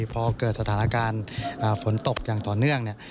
พอเกิดสถานการณ์ฝนตกอย่างต่อเนื่องเนี่ย